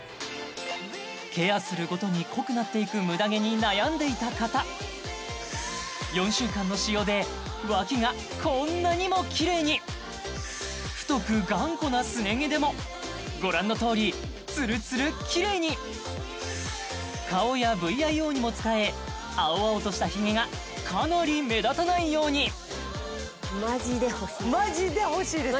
ケアするごとに濃くなっていくムダ毛に悩んでいた方４週間の使用でワキがこんなにもキレイに太く頑固なすね毛でもご覧のとおりツルツルキレイに顔やＶＩＯにも使え青々としたひげがかなり目立たないようにマジで欲しいですよね